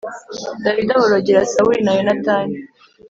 Dawidi aborogera Sawuli na Yonatani